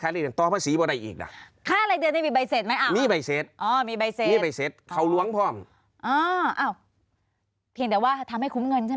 แล้วมันเป็นค่าอะไร